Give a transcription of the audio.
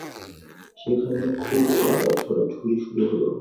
সেখানেও খুব কাদা ছোঁড়াছুঁড়ি শুরু হলো।